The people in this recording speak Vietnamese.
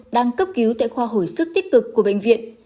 đang cấp cứu tại khoa hồi sức tích cực của bệnh viện